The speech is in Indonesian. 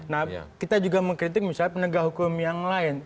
nah kita juga mengkritik misalnya penegak hukum yang lain